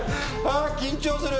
緊張する。